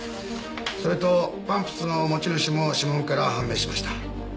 それとパンプスの持ち主も指紋から判明しました。